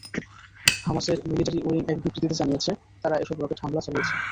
হামাসের military wing এক বিবৃতিতে জানিয়েছে, তারা এসব রকেট হামলা চালিয়েছে।